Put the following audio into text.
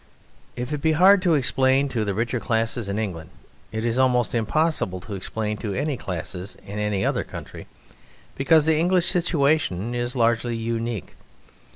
If it be hard to explain to the richer classes in England, it is almost impossible to explain to any classes in any other country, because the English situation is largely unique.